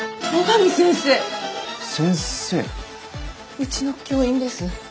うちの教員です。